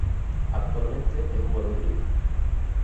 Actualmente es jugador Libre